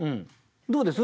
どうです？